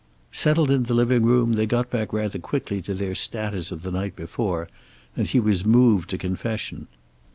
Settled in the living room, they got back rather quickly to their status of the night before, and he was moved to confession.